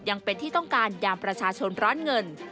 ยังเป็นที่ต้องการยามประชาชนร้อนเงิน